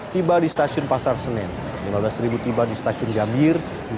tiba di stasiun pasar senen lima belas ribu tiba di stasiun gambir